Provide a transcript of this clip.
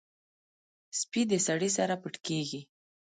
سپي د سړي سره پټ کېږي.